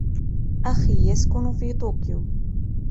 أخي يسكن في طوكيو.